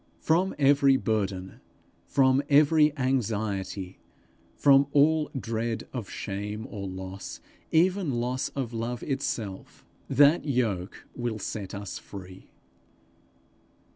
From every burden, from every anxiety, from all dread of shame or loss, even loss of love itself, that yoke will set us free.